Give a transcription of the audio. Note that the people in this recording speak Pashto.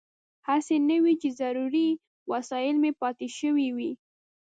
هسې نه وي چې ضروري وسایل مې پاتې شوي وي.